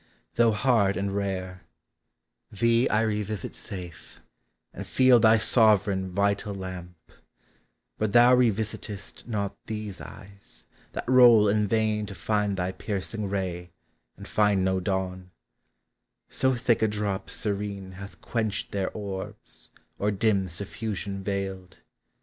31 Though hard and rare: thee I revisit safe, And feel thy sovereign vital lamp; but thou Revisitest not these eyes, that roll in vain To find thy piercing ray, and find no dawn ; So thick a drop serene hath quenched their orbs, Or dim suffusion veiled.